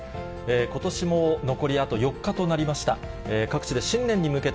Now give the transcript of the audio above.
ことしも残りあと４日となりました。